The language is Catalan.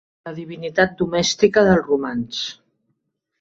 La divinitat domèstica dels romans.